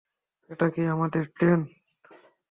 এটা কি আমাদের ট্রেন?